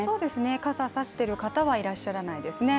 傘を差している方はいらっしゃらないですね。